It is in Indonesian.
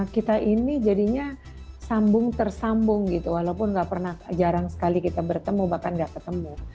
kita ini jadinya sambung tersambung gitu walaupun nggak pernah jarang sekali kita bertemu bahkan gak ketemu